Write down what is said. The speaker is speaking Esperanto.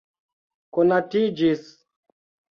konatiĝis